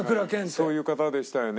そういう方でしたよね